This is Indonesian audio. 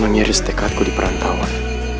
mengiris tekadku di perantauan